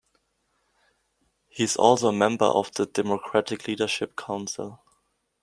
He is also a member of the Democratic Leadership Council.